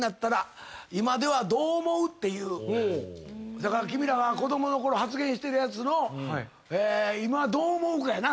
だから君らが子供のころ発言してるやつの今どう思うかやな。